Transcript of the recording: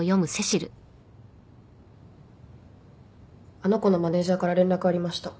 あの子のマネジャーから連絡ありました。